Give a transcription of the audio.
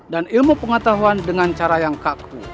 dan ilmu pengetahuan dengan cara yang kaku